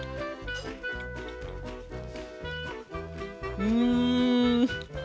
うん！